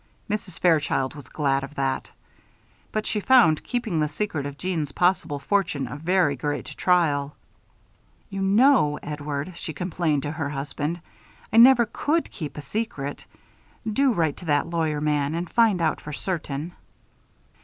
Mrs. Fairchild was glad of that. But she found keeping the secret of Jeanne's possible fortune a very great trial. "You know, Edward," she complained to her husband, "I never could keep a secret. Do write to that lawyer man and find out for certain."